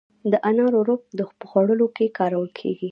د انارو رب په خوړو کې کارول کیږي.